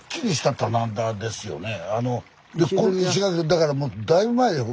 だからだいぶ前よ。